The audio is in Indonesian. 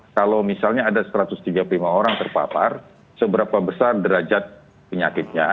kalau misalnya ada satu ratus tiga puluh lima orang terpapar seberapa besar derajat penyakitnya